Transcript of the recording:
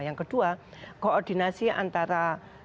yang kedua koordinasi antara